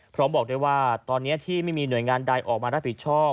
บอกได้ว่าตอนนี้ที่ไม่มีหน่วยงานใดออกมารับผิดชอบ